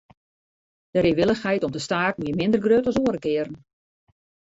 De reewillichheid om te staken wie minder grut as oare kearen.